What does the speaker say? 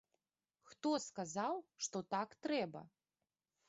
Хто сказаў, што так трэба?